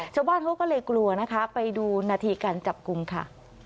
ชาวบ้านเขาก็เลยกลัวนะคะไปดูนาทีการจับกลุ่มค่ะ